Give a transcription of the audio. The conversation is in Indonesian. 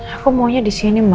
aku maunya disini ma